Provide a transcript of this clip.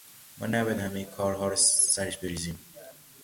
ما نباید همهٔ کارها را سرش بریزیم.